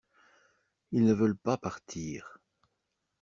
Ils ne veulent pas partir.